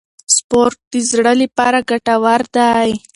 سپورت د زړه لپاره ګټور دی.